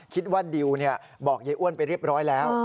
คิดว่าดิวบอกยายอ้วนไปเรียบร้อยแล้ว